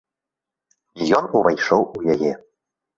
Ён увайшоў у яе.